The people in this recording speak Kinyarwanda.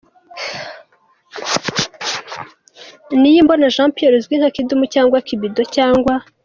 Niyimbona Jean Pierre uzwi nka Kidum cyangwa Kibido cyangwa.